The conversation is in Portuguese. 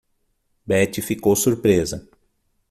Betty ficou surpresa.